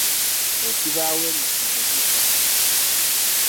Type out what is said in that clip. Ekibaawo emisu tegifa.